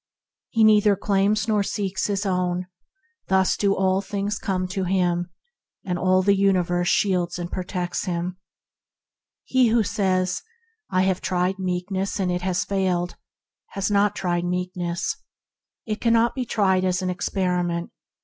He neither claims nor seeks his own; thus do all things come to him, and all the universe shields and protects him. He who says, "I have tried Meekness, and it has failed," has not tried Meekness. It cannot be tried as an experiment.